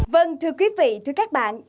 vâng thưa quý vị thưa các bạn